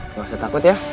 jangan takut ya